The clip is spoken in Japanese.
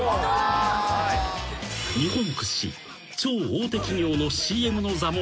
［日本屈指超大手企業のＣＭの座も］